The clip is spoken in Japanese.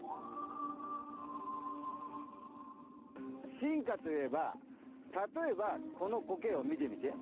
進化といえばたとえばこのコケを見てみて。